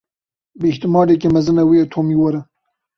Bi îhtîmaleke mezin ew ê Tomî were.